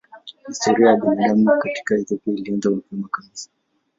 Historia ya binadamu katika Ethiopia ilianza mapema kabisa.